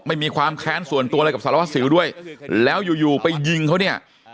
ไม่มีความแค้นส่วนตัวอะไรกับสารวัสสิวด้วยแล้วอยู่อยู่ไปยิงเขาเนี่ย